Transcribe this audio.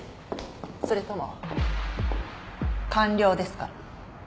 それとも官僚ですか？